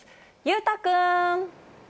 裕太君。